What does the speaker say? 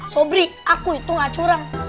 sobrik aku itu gak curang